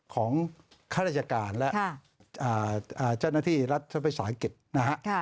ของคัตรราชการและเจ้าหน้าที่รัฐษภัยสารกิจ